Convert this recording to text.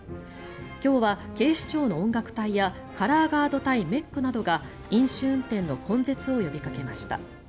今日は警視庁の音楽隊やカラーガード隊ＭＥＣなどが飲酒運転の根絶を呼びかけました。